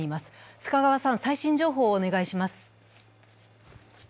須賀川さん、最新情報をお願いします。